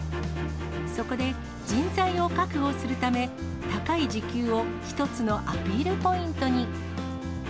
そこで人材を確保するため、高い時給を一つのアピールポイントに。